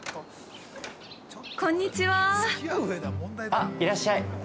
◆あ、いらっしゃい！